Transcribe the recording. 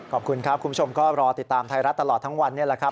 ขอบคุณครับคุณผู้ชมก็รอติดตามไทยรัฐตลอดทั้งวันนี้แหละครับ